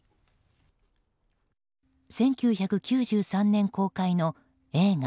１９９３年公開の映画